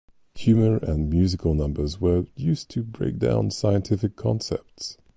Humor and musical numbers were used to break down scientific concepts.